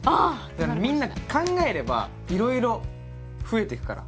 みんなが考えればいろいろ増えてくから。